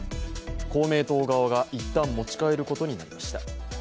公明党側がいったん持ち帰ることになりました。